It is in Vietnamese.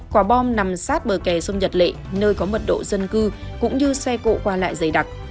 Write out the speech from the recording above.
quả bom nằm sát bờ kè sông nhật lệ nơi có mật độ dân cư cũng như xe cộ qua lại dày đặc